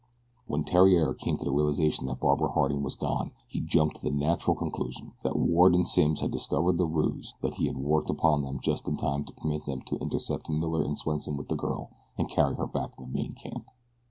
When Theriere came to the realization that Barbara Harding was gone he jumped to the natural conclusion that Ward and Simms had discovered the ruse that he had worked upon them just in time to permit them to intercept Miller and Swenson with the girl, and carry her back to the main camp.